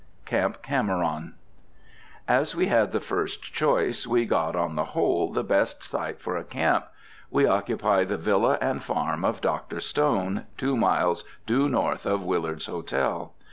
CAMP CAMERON. As we had the first choice, we got, on the whole, the best site for a camp. We occupy the villa and farm of Dr. Stone, two miles due north of Willard's Hotel.